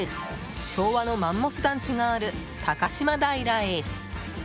昭和のマンモス団地がある高島平へ。